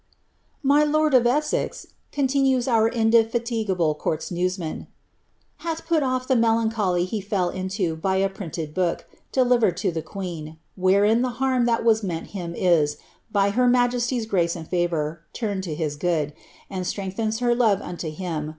"" "My lord of Essex," continues our indefatigable courl newsman. " bath put off the melancholy he fell into by a printed book, delivered to the queen, wherein the harm that was meant him is, by her majesiv'i grace and favour, turned to his goo<l. and strengiliens her love unto him.